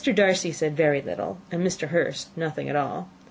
Darcy said very little, and Mr. Hurst nothing at all.